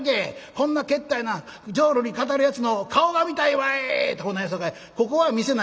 こんなけったいな浄瑠璃語るやつの顔が見たいわい』とこんな言うさかいここは見せな」。